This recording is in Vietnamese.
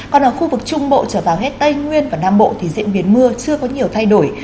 còn ở khu vực trung bộ trở vào hết tây nguyên và nam bộ thì diễn biến mưa chưa có nhiều thay đổi